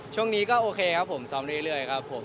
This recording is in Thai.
ช่วงนี้ก็โอเคครับผมซ้อมเรื่อยครับผม